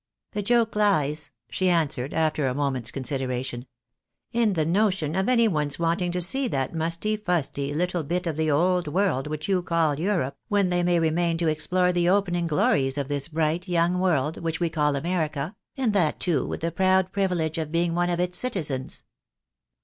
" The joke lies," she answered, after a moment's consideration, " in the notion of any one's wanting to see that musty, fusty, little bit of the old world which you call Europe, when they may remain to explore the opening glories of this bright, young world, which we call America, and that, too, with the proud privilege of being one of its citizens."